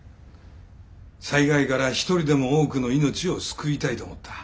災害から一人でも多くの命を救いたいと思った。